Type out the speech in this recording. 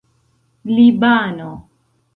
libano